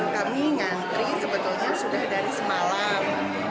kami ngantri sebetulnya sudah dari semalam